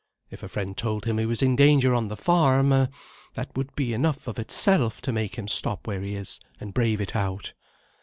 If a friend told him he was in danger on the farm, that would be enough of itself to make him stop where he is, and brave it out.